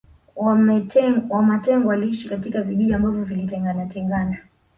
Wamatengo waliishi katika vijiji ambavyo vilitengana tengana